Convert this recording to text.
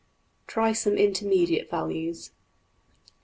Try some intermediate values.